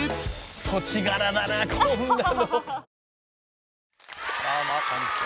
土地柄だなあこんなの。